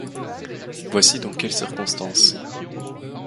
Voici dans quelles circonstances.